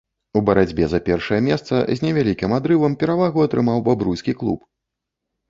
У барацьбе за першае месца з невялікім адрывам перавагу атрымаў бабруйскі клуб.